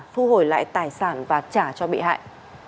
thu hồi lại tài sản và trả cho bị hại